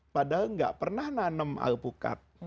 padahal nggak pernah nanem alpukat